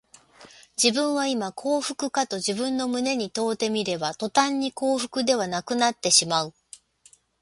自分はいま幸福かと自分の胸に問うてみれば、とたんに幸福ではなくなってしまう